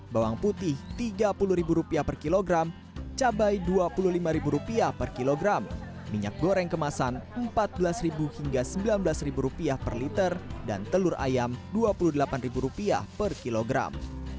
bawang putih rp tiga puluh per kilogram cabai rp dua puluh lima per kilogram minyak goreng kemasan rp empat belas hingga rp sembilan belas per liter dan telur ayam rp dua puluh delapan per kilogram